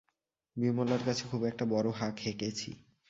বিমলার কাছে খুব একটা বড়ো হাঁক হেঁকেছি।